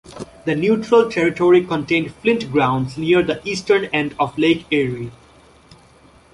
The Neutral territory contained flint grounds near the eastern end of Lake Erie.